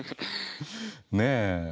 ねえ。